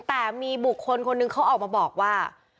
แต่มีบุคคลคนนึงเขาออกมาบอกว่า